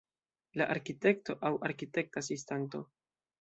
La arkitekto, aŭ arkitekta asistanto.